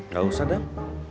gak usah dang